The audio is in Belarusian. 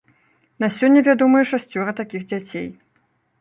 На сёння вядомыя шасцёра такіх дзяцей.